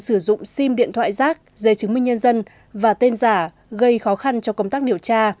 sử dụng sim điện thoại rác giấy chứng minh nhân dân và tên giả gây khó khăn cho công tác điều tra